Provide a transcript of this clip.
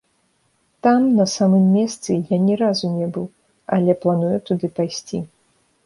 Там, на самым месцы, я ні разу не быў, але планую туды пайсці.